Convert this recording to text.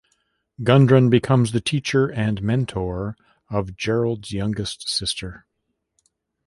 Gudrun becomes the teacher and mentor of Gerald's youngest sister.